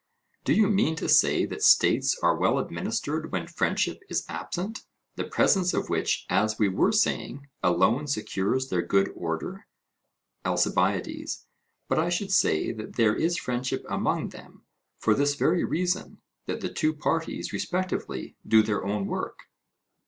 do you mean to say that states are well administered when friendship is absent, the presence of which, as we were saying, alone secures their good order? ALCIBIADES: But I should say that there is friendship among them, for this very reason, that the two parties respectively do their own work.